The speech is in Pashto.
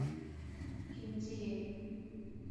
کيم ځي ئې